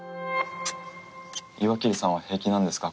岩切さんは平気なんですか？